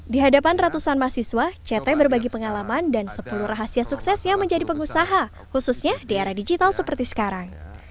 di hadapan ratusan mahasiswa ct berbagi pengalaman dan sepuluh rahasia suksesnya menjadi pengusaha khususnya di era digital seperti sekarang